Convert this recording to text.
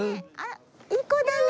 いい子だね。